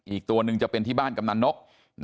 อีกตัวหนึ่งจะเป็นที่บ้านกำนันนก